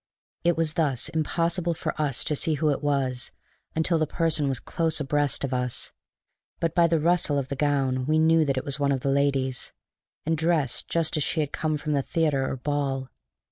It was thus impossible for us to see who it was until the person was close abreast of us; but by the rustle of the gown we knew that it was one of the ladies, and dressed just as she had come from theatre or ball.